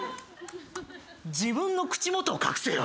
自分の口元を隠せよ！